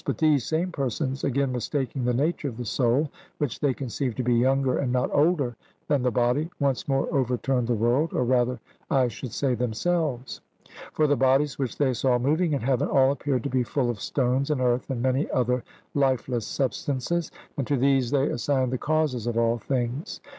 But these same persons again mistaking the nature of the soul, which they conceived to be younger and not older than the body, once more overturned the world, or rather, I should say, themselves; for the bodies which they saw moving in heaven all appeared to be full of stones, and earth, and many other lifeless substances, and to these they assigned the causes of all things.